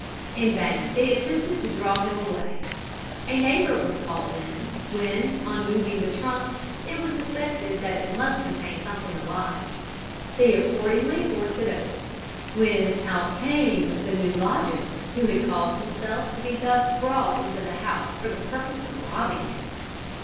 In vain they attempted to draw him away. A neighbour was called in, when, on moving the trunk, it was suspected that it must contain something alive. They accordingly forced it open, when out came the new lodger; who had caused himself to be thus brought into the house for the purpose of robbing it.